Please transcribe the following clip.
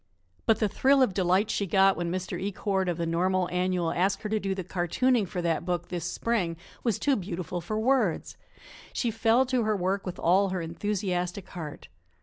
But the thrill of delight she got when Mr. Ecord, of the Normal Annual, asked her to do the cartooning for that book this spring, was too beautiful for words. She fell to her work with all her enthusiastic heart.